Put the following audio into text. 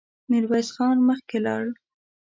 ميرويس خان مخکې لاړ.